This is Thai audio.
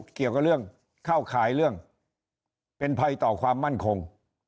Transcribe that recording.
เกี่ยวกับเรื่องเข้าข่ายเรื่องเป็นภัยต่อความมั่นคง